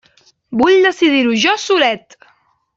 Vull decidir-ho jo solet!